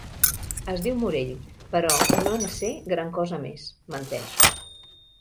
Es diu Morell, però no en sé gran cosa més —menteix.